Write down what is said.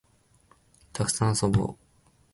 たくさん遊ぼう